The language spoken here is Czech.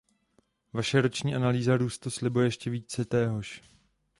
Vaše roční analýza růstu slibuje ještě více téhož.